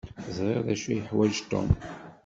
Ẓriɣ d acu i yeḥwaǧ Tom.